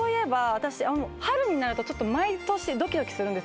私春になると毎年ドキドキするんですよ。